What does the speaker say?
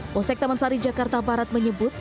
polsek taman sari jakarta barat menyebut